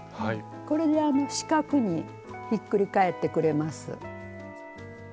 これで四角にひっくり返ってくれます。